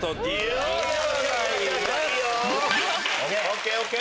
ＯＫＯＫ！